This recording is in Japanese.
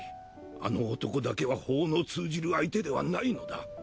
あの男だけは法の通じる相手ではないのだ。